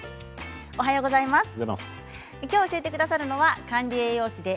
きょう教えてくださるのは管理栄養士で